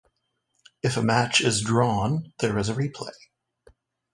If a match is drawn there is a replay.